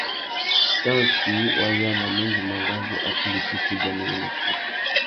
Tantsuï wa yānamú indi mangazú a timba itifiya ibianéwénô?